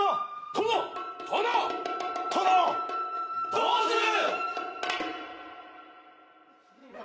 どうする！